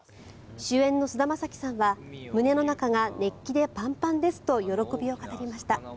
主演の菅田将暉さんは胸の中が熱気でパンパンですと喜びを語りました。